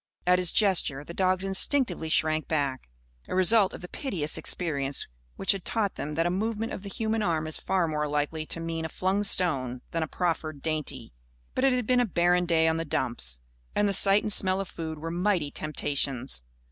At his gesture, the dogs instinctively shrank back a result of the piteous experience which had taught them that a movement of the human arm is far more likely to mean a flung stone than a proffered dainty. But it had been a barren day on the dumps. And the sight and smell of food were mighty temptations.